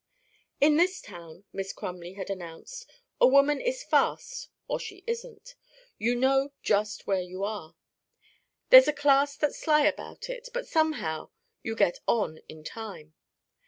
"In this town," Miss Crumley had announced, "a woman is fast or she isn't. You know just where you are. There's a class that's sly about it, but somehow you get 'on' in time.